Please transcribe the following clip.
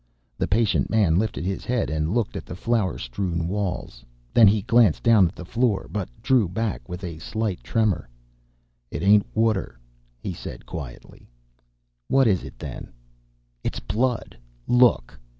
"The patient man lifted his head and looked at the flour strewn walls. Then he glanced down at the floor, but drew back with a slight tremor. "'It ain't water!' he said, quietly. "'What is it, then?' "'It's BLOOD! Look!'